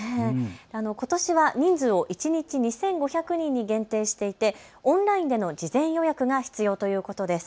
ことしは人数を一日２５００人に限定していてオンラインでの事前予約が必要ということです。